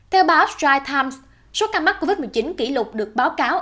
theo báo stright times số ca mắc covid một mươi chín kỷ lục được báo cáo